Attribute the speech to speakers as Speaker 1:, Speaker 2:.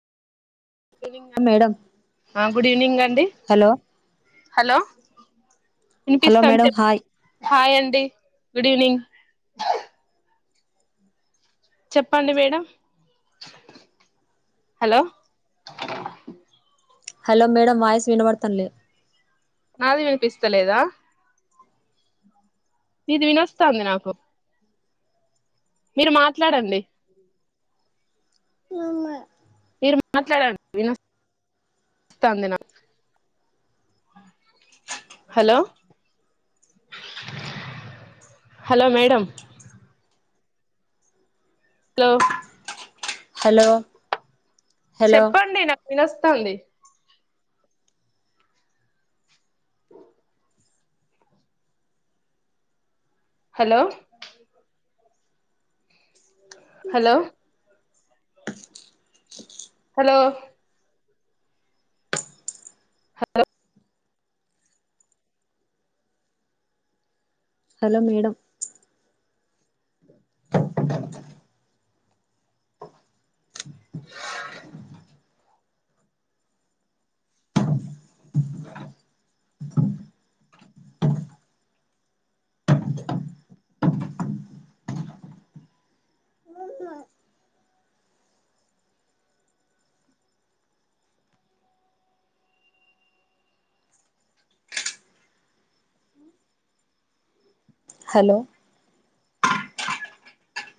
Speaker 1: madam
Speaker 2: good evening అండి
Speaker 1: hello
Speaker 2: hello
Speaker 1: hello
Speaker 2: వినిపిస్తాను
Speaker 1: madam
Speaker 2: చెప్పు
Speaker 1: హాయ్
Speaker 2: హాయ్ అండి గుడ్ ఈవినింగ్ చెప్పండి madam hello
Speaker 1: hello madam voice వినవర్తన్లే
Speaker 2: నాది వినిపిస్తలేదా ఇది వినొస్తాంది నాకు మీరు మాట్లాడండి
Speaker 1: మమ
Speaker 2: మాట్లా [unintelligible] hello hello madam hello
Speaker 1: hello hello
Speaker 2: చెప్పండి నాకు వినస్తాడి hello hello hello hello
Speaker 1: hello madam hello